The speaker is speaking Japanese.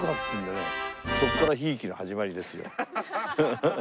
そこからひいきの始まりですよ。